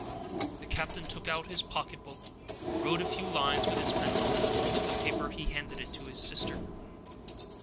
The captain took out his pocketbook, and wrote a few lines with his pencil; then folding the paper, he handed it to his sister.